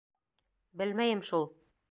— Белмәйем шул...